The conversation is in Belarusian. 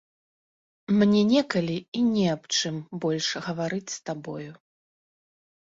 Мне некалі і не аб чым больш гаварыць з табою.